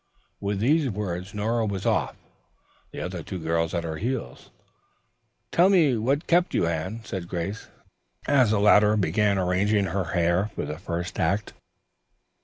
With these words, Nora was off, the other two girls at her heels. "Tell me what kept you, Anne," said Grace, as the latter began arranging her hair for the first act.